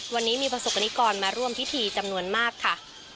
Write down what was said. วันนี้มีประสบกรณิกรมาร่วมพิธีจำนวนมากค่ะ